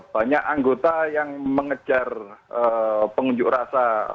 banyak anggota yang mengejar pengunjuk rasa